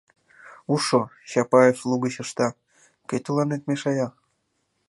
— Ушо, — Чапаев лугыч ышта, — кӧ тыланет мешая?